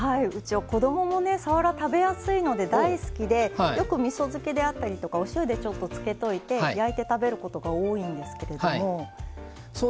子供もさわらが食べやすいので大好きでよくみそ漬けであったりお塩で漬けておいて焼いて食べることが多いんですけれども。